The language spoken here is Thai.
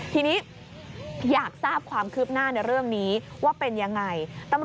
ทีนี้อยากทราบความคืบหน้าในเรื่องนี้ว่าเป็นยังไง